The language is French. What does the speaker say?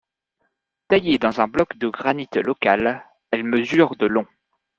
Taillée dans un bloc de granite local, elle mesure de long.